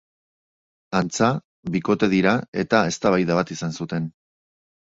Antza, bikote dira eta eztabaida bat izan zuten.